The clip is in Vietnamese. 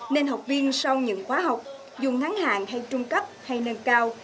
nên học viên sau những khóa học dù ngắn hạn hay trung cấp hay nâng cao